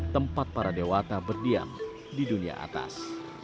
tempat para dewata berdiam di dunia atas